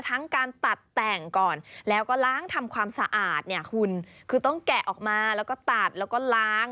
ทั้งการตัดแต่งก่อนแล้วก็ล้างทำความสะอาดเนี่ยคุณคือต้องแกะออกมาแล้วก็ตัดแล้วก็ล้าง